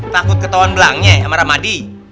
takut ketahuan belangnya sama ramadi